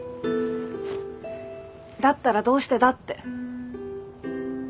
だったらどうしてだ？って。